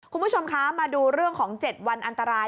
คุณผู้ชมคะมาดูเรื่องของ๗วันอันตราย